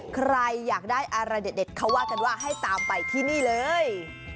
ใครอยากได้อะไรเด็ดเขาว่ากันว่าให้ตามไปที่นี่เลย